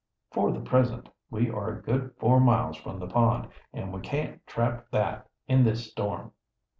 "For the present. We are a good four miles from the pond, and we can't tramp that in this storm."